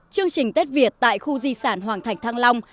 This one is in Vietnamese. chương trình tết việt tại khu di sản hoàng thành thăng long